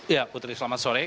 ya putri selamat sore